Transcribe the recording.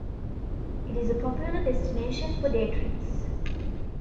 It is a popular destination for day trips.